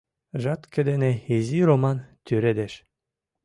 Жатке дене изи Роман тӱредеш.